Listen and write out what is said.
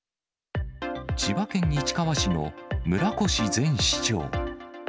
千葉県市川市の村越前市長。